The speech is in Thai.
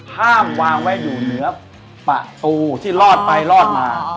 ห้ามวางไว้อยู่เหนือประตูที่ลอดไปรอดมา